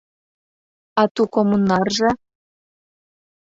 — А ту коммунарже?